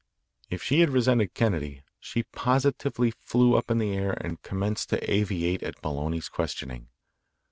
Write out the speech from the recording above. If she had resented Kennedy, she positively flew up in the air and commenced to aviate at Maloney's questioning.